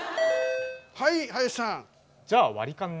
はい林さん。